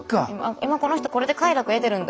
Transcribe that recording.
今この人これで快楽得てるんだ。